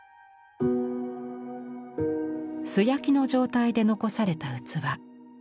素焼きの状態で残された器。